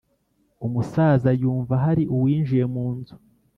umusaza yumva hari uwinjiye munzu